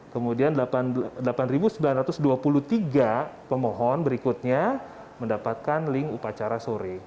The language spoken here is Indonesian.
kemudian delapan sembilan ratus dua puluh tiga pemohon berikutnya mendapatkan link upacara sore